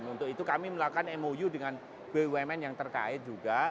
untuk itu kami melakukan mou dengan bumn yang terkait juga